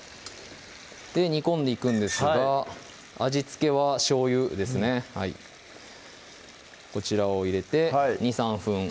煮込んでいくんですが味付けはしょうゆですねこちらを入れて２３分